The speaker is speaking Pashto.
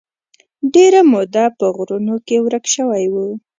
ډېره موده په غرونو کې ورک شوی و.